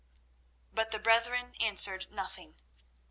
But the brethren answered nothing.